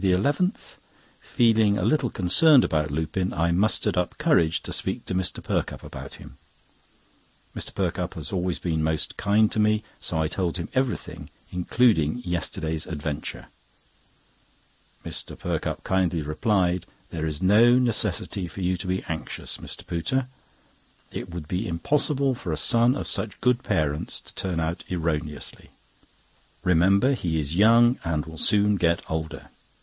—Feeling a little concerned about Lupin, I mustered up courage to speak to Mr. Perkupp about him. Mr. Perkupp has always been most kind to me, so I told him everything, including yesterday's adventure. Mr. Perkupp kindly replied: "There is no necessity for you to be anxious, Mr. Pooter. It would be impossible for a son of such good parents to turn out erroneously. Remember he is young, and will soon get older.